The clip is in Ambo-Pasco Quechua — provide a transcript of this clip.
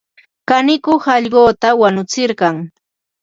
Kanikuq allquta wanutsirqan.